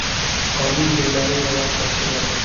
قانون د ادارې د واک سرچینه ده.